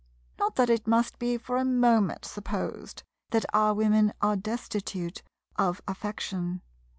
Not that it must be for a moment supposed that our Women are destitute of affection.